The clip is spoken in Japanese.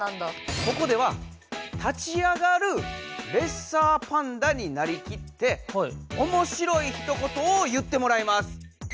ここでは立ち上がるレッサーパンダになりきっておもしろいひと言を言ってもらいます。